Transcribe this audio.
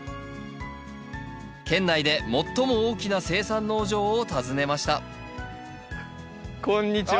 県内で最も大きな生産農場を訪ねましたこんにちは。